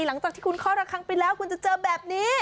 หลังจากที่คุณคลอดระคังไปแล้วคุณจะเจอแบบนี้